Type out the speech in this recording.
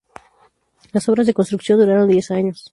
Las obras de construcción duraron diez años.